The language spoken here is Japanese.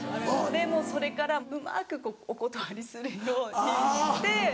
でもうそれからうまくお断りするようにして。